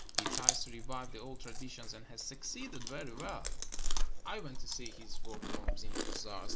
He tries to revive the old traditions, and has succeeded very well. I went to see his workrooms in the bazaars.